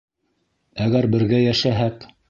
Әгәр бергә йәшәһәк...